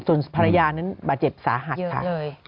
ส่วนภรรยานั้นบาดเจ็บสาหัสค่ะ